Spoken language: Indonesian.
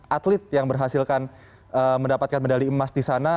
atlet yang berhasilkan mendapatkan medali emas di sana